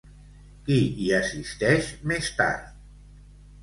Qui hi assisteix més tard?